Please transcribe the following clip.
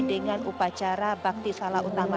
dengan upacara bakti salah utama